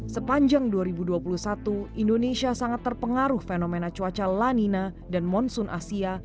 sepanjang dua ribu dua puluh satu indonesia sangat terpengaruh fenomena cuaca lanina dan monsoon asia